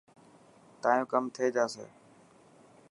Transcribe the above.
تايو ڪم ٿي جاسي.